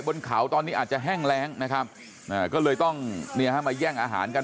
บนเขาตอนนี้อาจจะแห้งแรงนะครับก็เลยต้องเนี่ยฮะมาแย่งอาหารกัน